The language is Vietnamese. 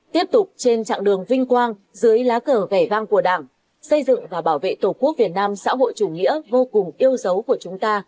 tiếp tục trên chặng đường vinh quang dưới lá cờ vẻ vang của đảng xây dựng và bảo vệ tổ quốc việt nam xã hội chủ nghĩa vô cùng yêu dấu của chúng ta